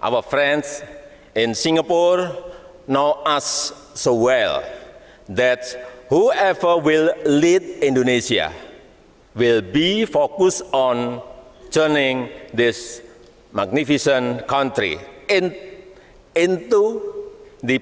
presiden jokowi meyakinkan investasi asing di indonesia tetap akan berlanjut meski nanti terpilih presiden baru